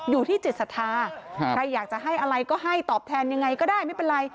อยู่ที่จิตศรัทธาใครอยากจะให้อะไรก็ให้ตอบแทนยังไงก็ได้ไม่เป็นไร